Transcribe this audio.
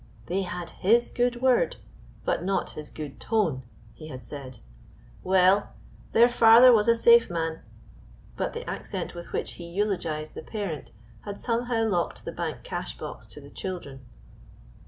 They had his good word! but not his good tone! he had said. "Well, their father was a safe man;" but the accent with which he eulogized the parent had somehow locked the bank cash box to the children.